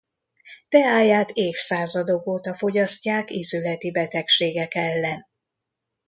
Teáját évszázadok óta fogyasztják ízületi betegségek ellen.